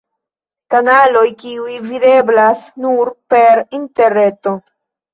Kanaloj kiuj videblas nur per Interreto.